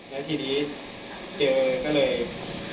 แล้วทีนี้เจอก็เลย